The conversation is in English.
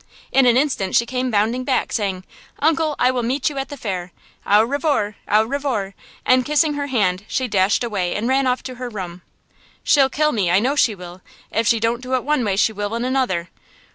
In an instant she came bounding back, saying, "Uncle, I will meet you at the fair; au revoir, au revoir! " and, kissing her hand, she dashed away and ran off to her room. "She'll kill me; I know she will. If she don't do it one way she will in another.